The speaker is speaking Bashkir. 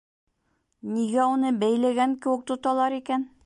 Ниңә уны бәйләгән кеүек тоталар икән?